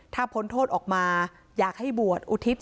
ถ้าพ้นโทษออกมาอยากให้บวชอุทิศ